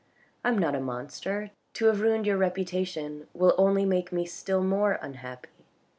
I am not a monster; to have ruined your reputation will only make me still more unhappy.